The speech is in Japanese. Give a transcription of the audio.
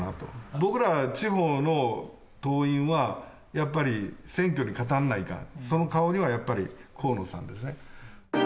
僕らは地方の党員は、やっぱり選挙に勝たないかん、その顔には、やっぱり河野さんです